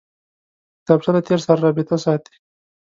کتابچه له تېر سره رابطه ساتي